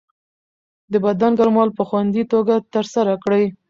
د بدن ګرمول په خوندي توګه ترسره کړئ.